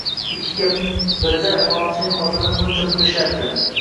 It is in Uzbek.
Ikki gapning birida falonchining xotini muncha pul ishlabdi